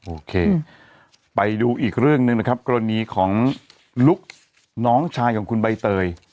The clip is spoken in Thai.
โอเคไปดูอีกเรื่องหนึ่งนะครับกรณีของลุกน้องชายของคุณใบเตย